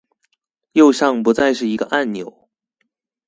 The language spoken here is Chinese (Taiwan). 右上不再是一個按鈕